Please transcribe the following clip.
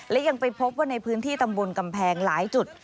และยังไปพบว่าในพื้นที่ตำบลกำแพงหลายจุด